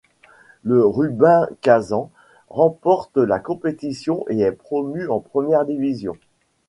Le Rubin Kazan remporte la compétition et est promu en première division.